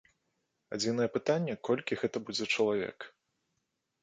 Адзінае пытанне, колькі гэта будзе чалавек.